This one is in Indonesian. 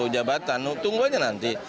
jabatan tunggu aja nanti